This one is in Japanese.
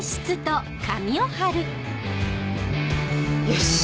よし！